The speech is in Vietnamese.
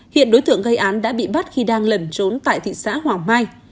hiện đối tượng gây án đã bị bắt khi đang lẩn trốn tại thị xã hoàng mai